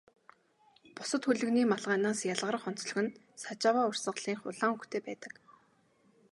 Бусад хөлгөний малгайнаас ялгарах онцлог нь Сажава урсгалынх улаан өнгөтэй байдаг.